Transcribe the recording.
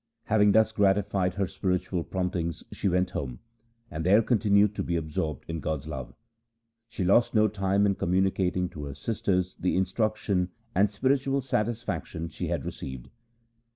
Having thus gratified her spiritual promptings she went home, and there con tinued to be absorbed in God's love. She lost no time in communicating to her sisters the instruction and spiritual satisfaction she had received.